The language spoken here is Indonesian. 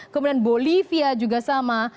kemudian bolivia juga sama